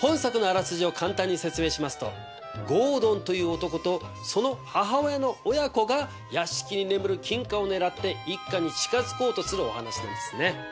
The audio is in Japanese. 本作のあらすじを簡単に説明しますとゴードンという男とその母親の親子が屋敷に眠る金貨を狙って一家に近づこうとするお話なんですね。